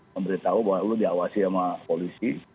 memberitahu bahwa lu diawasi sama polisi